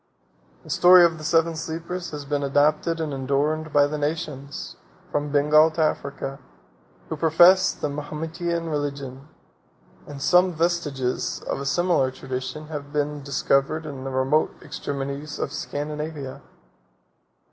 47 The story of the Seven Sleepers has been adopted and adorned by the nations, from Bengal to Africa, who profess the Mahometan religion; 48 and some vestiges of a similar tradition have been discovered in the remote extremities of Scandinavia.